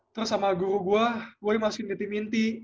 terus sama gue gue dimasukin ke tim inti